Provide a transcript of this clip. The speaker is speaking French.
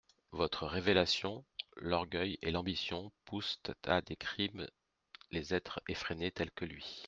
Votre révélation … L'orgueil et l'ambition poussent à des crimes les êtres effrénés tels que lui.